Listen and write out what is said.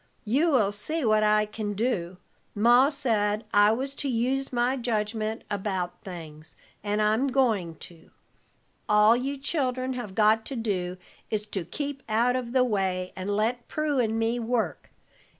"You will see what I can do. Ma said I was to use my jedgment about things, and I'm going to. All you children have got to do is to keep out of the way, and let Prue and me work.